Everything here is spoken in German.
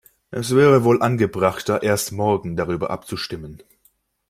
Es wäre wohl angebrachter, erst morgen darüber abzustimmen.